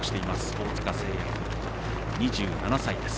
大塚製薬の２７歳です。